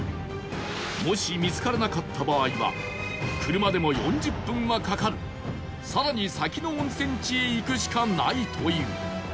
もし見つからなかった場合は車でも４０分はかかる更に先の温泉地へ行くしかないという